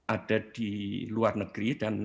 ada di luar negeri